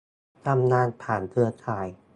ทำงานผ่านเครือข่าย